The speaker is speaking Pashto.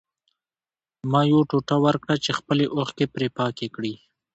ما یو ټوټه ورکړه چې خپلې اوښکې پرې پاکې کړي